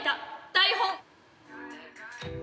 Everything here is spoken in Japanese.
台本！